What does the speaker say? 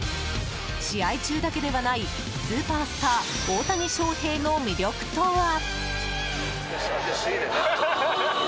試合中だけではないスーパースター・大谷翔平の魅力とは。